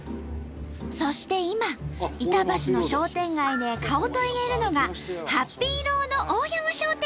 そして今板橋の商店街で顔といえるのが何でもあります